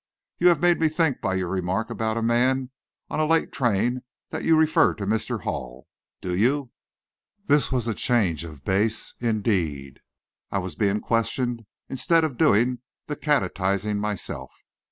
You have made me think by your remark about a man on a late train that you refer to Mr. Hall. Do you?" This was a change of base, indeed. I was being questioned instead of doing the catechising myself.